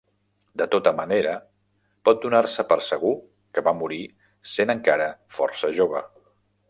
De tota manera pot donar-se per segur que va morir sent encara força jove.